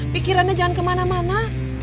pikirannya jangan kemana mana